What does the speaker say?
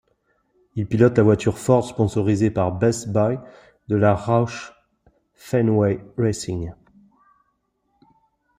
Il pilote la voiture Ford sponsorisée par Best Buy de la Roush Fenway Racing.